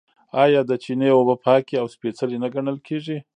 آیا د چینې اوبه پاکې او سپیڅلې نه ګڼل کیږي؟